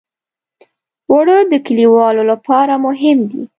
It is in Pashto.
اوړه د کليوالو لپاره مهم دي